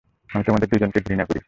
আমি তোমাদের দুজনকেই ঘৃণা করি।